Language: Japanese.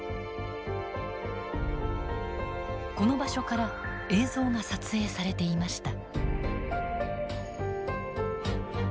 この場所から映像が撮影されていました。